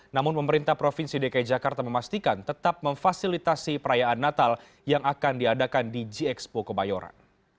namun pemerintah provinsi dki jakarta memastikan tetap memfasilitasi perayaan natal yang akan diadakan di gxpo kemayoran